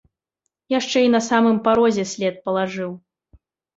Яшчэ і на самым парозе след палажыў.